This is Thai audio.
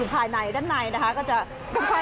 น้ำจากต้นมีตังควันนะครับ